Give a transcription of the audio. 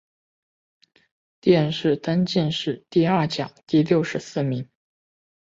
殿试登进士第二甲第六十四名。